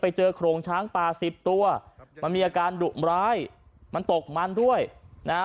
เจอโครงช้างป่าสิบตัวมันมีอาการดุร้ายมันตกมันด้วยนะฮะ